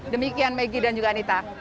demikian maggie dan juga anita